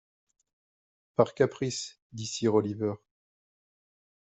Par caprice, dit sir Olliver.